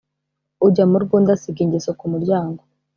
Ujya mu rw’undi asiga ingeso ku muryango